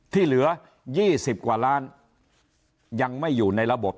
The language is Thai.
ที่เหลือ๒๐กว่าล้านยังไม่อยู่ในระบบ